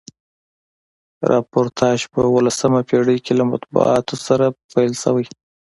راپورتاژپه اوولسمه پیړۍ کښي له مطبوعاتو سره پیل سوی.